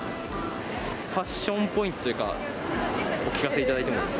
ファッションポイントというか、お聞かせいただいてもいいですか。